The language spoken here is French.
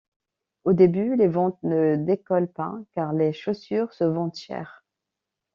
Au début, les ventes ne décollent pas, car les chaussures se vendent cher.